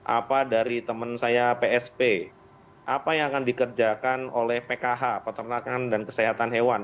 apa dari teman saya psp apa yang akan dikerjakan oleh pkh peternakan dan kesehatan hewan